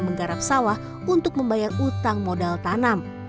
menggarap sawah untuk membayar utang modal tanam